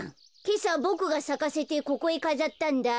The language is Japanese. けさボクがさかせてここへかざったんだ。